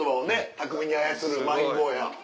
巧みに操るマイン坊や。